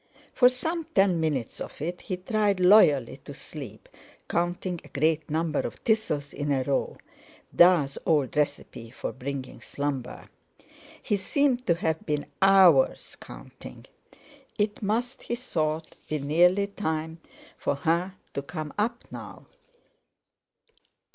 For some ten minutes of it he tried loyally to sleep, counting a great number of thistles in a row, "Da's" old recipe for bringing slumber. He seemed to have been hours counting. It must, he thought, be nearly time for her to come up now.